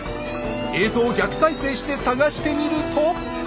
映像を逆再生して探してみると。